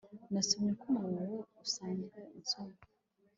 nansome uko umunwa we usanzwe unsoma